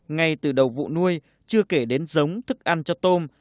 ngay từ đầu vụ nuôi chưa kể đến giống thức ăn cho tôm